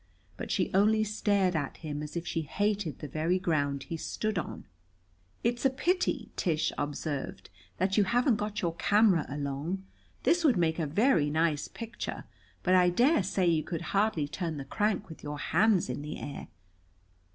But she only stared at him as if she hated the very ground he stood on. "It's a pity," Tish observed, "that you haven't got your camera along. This would make a very nice picture. But I dare say you could hardly turn the crank with your hands in the air."